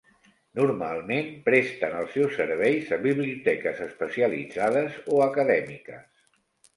Normalment presten els seus serveis a biblioteques especialitzades o acadèmiques.